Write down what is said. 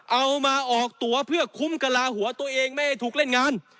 เอามาออกตัวเพื่อคุ้มกระลาหัวตัวเองไม่ให้ถูกเล่นงาน